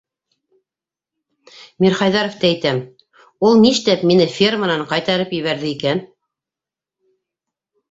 Мирхәйҙәровты әйтәм... ул ништәп мине ферманан ҡайтарып ебәрҙе икән?